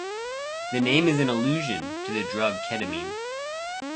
The name is an allusion to the drug ketamine.